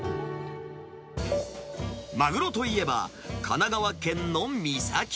マグロといえば、神奈川県の三崎。